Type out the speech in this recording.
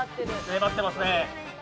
粘ってますね。